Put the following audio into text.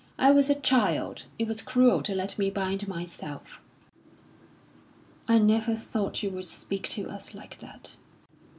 I was a child. It was cruel to let me bind myself." "I never thought you would speak to us like that."